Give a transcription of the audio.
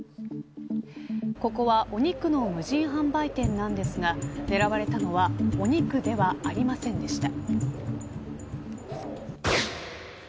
ここはお肉の無人販売店なんですが狙われたのはお肉ではありませんでした。